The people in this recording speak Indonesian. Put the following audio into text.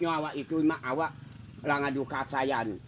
ya kalau anda diculik anda akan dihukum